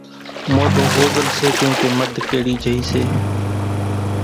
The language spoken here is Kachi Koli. مونڍون ۿوزل سي ڪيمڪيَ مڌ ڪيڙِي جھئِي سي۔